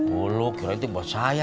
bulu kira kira itu buat saya